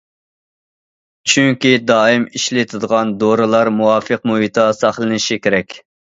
چۈنكى دائىم ئىشلىتىدىغان دورىلار مۇۋاپىق مۇھىتتا ساقلىنىشى كېرەك.